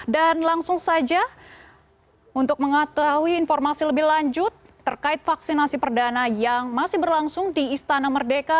dan langsung saja untuk mengetahui informasi lebih lanjut terkait vaksinasi perdana yang masih berlangsung di istana merdeka